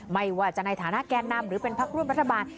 ไม่ว่าจะในฐานะแกนนำหรือเป็นพักร่วมรัฐบาล